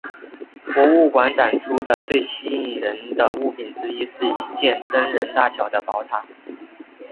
博物馆展出的最吸引人的物品之一是一件真人大小的宝塔。